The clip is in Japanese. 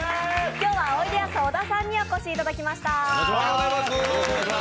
今日はおいでやす小田さんにお越しいただきました。